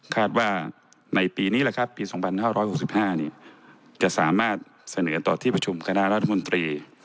คาดว่าในปีนี้แหละครับปี๒๕๖๕จะสามารถเสนอต่อที่ประชุมคณะรัฐมนตรี